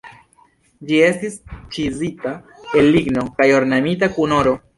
Ĝi estis ĉizita el ligno kaj ornamita kun oro.